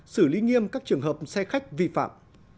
xử lý nghiêm các trường hợp xe khách vi phạm